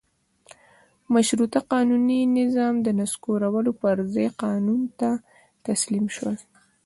مشروطه قانوني نظام د نسکورولو پر ځای قانون ته تسلیم شول.